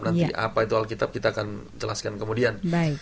nanti apa itu alkitab kita akan jelaskan kemudian